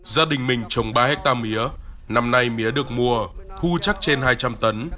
gia đình mình trồng ba hectare mía năm nay mía được mua thu chắc trên hai trăm linh tấn